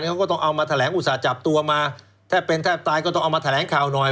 เขาก็ต้องเอามาแถลงอุตส่าห์จับตัวมาแทบเป็นแทบตายก็ต้องเอามาแถลงข่าวหน่อย